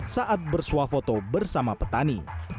saat bersuah foto bersama petani